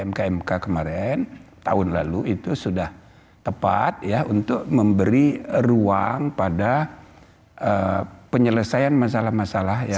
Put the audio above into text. mkmk kemarin tahun lalu itu sudah tepat ya untuk memberi ruang pada penyelesaian masalah masalah